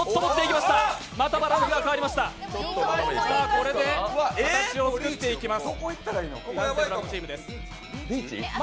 これで形を作っていきます。